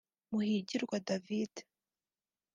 Muhigirwa David